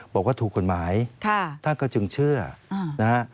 บอกว่าถูกกฎหมายท่านก็จึงเชื่อนะฮะ